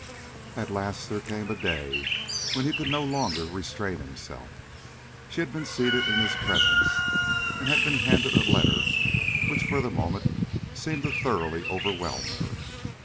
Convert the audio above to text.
At last there came a day when he could no longer restrain himself. She had been seated in his presence, and had been handed a letter which for the moment seemed to thoroughly overwhelm her.